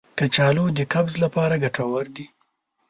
کچالو د قبض لپاره ګټور دی.